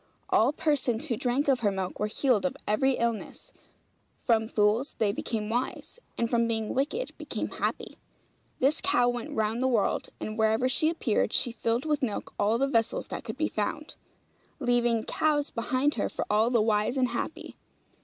All persons who drank of her milk were healed of every illness; from fools they became wise; and from being wicked, became happy. This cow went round the world; and wherever she appeared, she filled with milk all the vessels that could be found, leaving calves behind her for all the wise and happy.